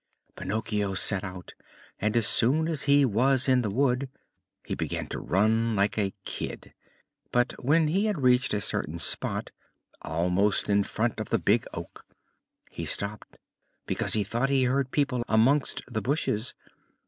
Pinocchio set out, and as soon as he was in the wood he began to run like a kid. But when he had reached a certain spot, almost in front of the Big Oak, he stopped, because he thought he heard people amongst the bushes.